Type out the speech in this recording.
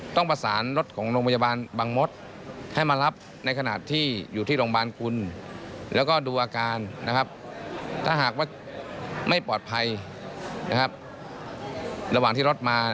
ถ้าหากว่าไม่ปลอดภัยระหว่างที่รถมา